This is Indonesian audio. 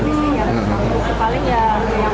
nggak ada yang